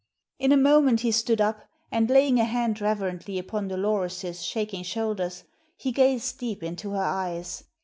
In a moment he stood up and, laying a hand reverently upon Dolores's shaking shoulders, he gazed deep into her eyes.